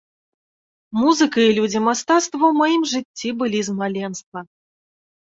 Музыка і людзі мастацтва ў маім жыцці былі з маленства.